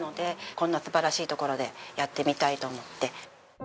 こんな素晴らしい所でやってみたいと思って。